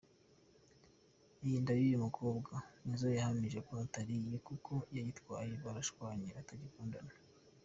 Iyi nda y’uyu mukobwa, Nizzo yahamije ko atari iye kuko yayitwaye barashwanye batagikundana.